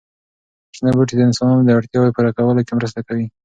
شنه بوټي د انسانانو د اړتیاوو پوره کولو کې مرسته کوي.